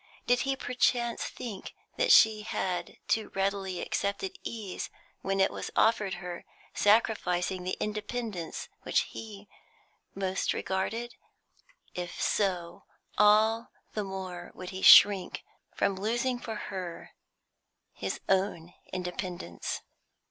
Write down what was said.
Did he perchance think she had too readily accepted ease when it was offered her, sacrificing the independence which he most regarded? If so, all the more would he shrink from losing for her his own independence.